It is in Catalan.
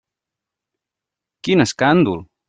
Quin escàndol!